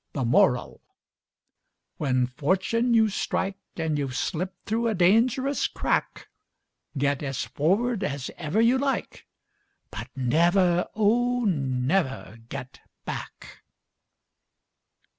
The Moral: When fortune you strike, And you've slipped through a dangerous crack, Get as forward as ever you like, But never, oh, never get back!